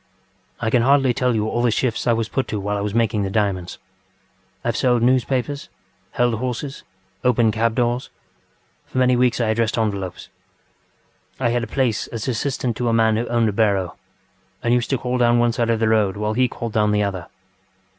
ŌĆ£I can hardly tell you all the shifts I was put to while I was making the diamonds. I have sold newspapers, held horses, opened cab doors. For many weeks I addressed envelopes. I had a place as assistant to a man who owned a barrow, and used to call down one side of the road while he called down the other.